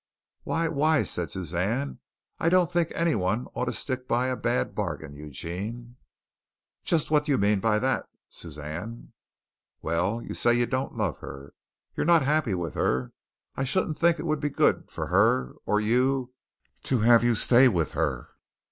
"Why, why," said Suzanne, "I don't think anyone ought to stick by a bad bargain, Eugene." "Just what do you mean by that, Suzanne?" "Well, you say you don't love her. You're not happy with her. I shouldn't think it would be good for her or you to have you stay with her.